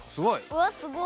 うわっすごっ！